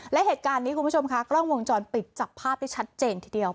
และเหตุการณ์นี้คุณผู้ชมค่ะกล้องวงจรปิดจับภาพได้ชัดเจนทีเดียว